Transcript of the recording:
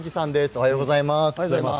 おはようございます。